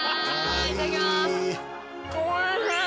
いただきます！